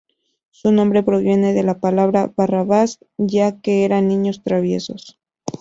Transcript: Su nombre proviene de la palabra barrabás, ya que eran niños traviesos.